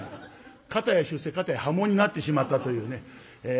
片や出世片や破門になってしまったというね。